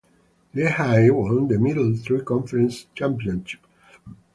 Lehigh won the Middle Three Conference championship.